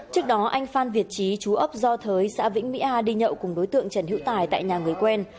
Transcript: trước đó anh phan việt trí chú ấp do thới xã vĩnh mỹ a đi nhậu cùng đối tượng trần hữu tài tại nhà người quen